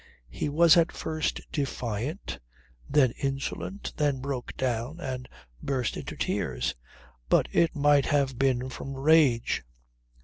He was at first defiant, then insolent, then broke down and burst into tears; but it might have been from rage.